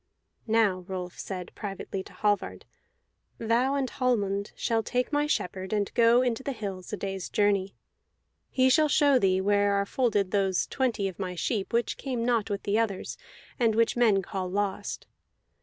"Now," Rolf said privately to Hallvard, "thou and Hallmund shall take my shepherd and go into the hills, a day's journey; he shall show thee where are folded those twenty of my sheep which came not with the others, and which men call lost.